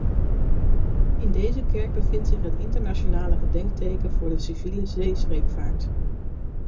In deze kerk bevindt zich het internationale gedenkteken voor de civiele zeescheepvaart.